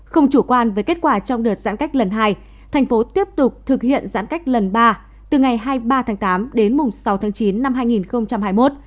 không chủ quan với kết quả trong đợt giãn cách lần hai thành phố tiếp tục thực hiện giãn cách lần ba từ ngày hai mươi ba tháng tám đến mùng sáu tháng chín năm hai nghìn hai mươi một